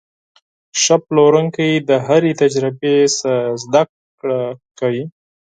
ښه پلورونکی د هرې تجربې نه زده کړه کوي.